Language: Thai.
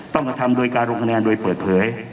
ต้องกระทำด้วยการลงคะแนนโดยเปิดเผย